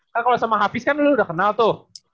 kan kalau sama hafiz kan lo udah kenal tuh